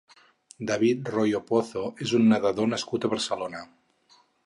David Royo Pozo és un nedador nascut a Barcelona.